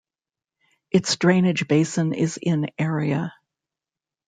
Its drainage basin is in area.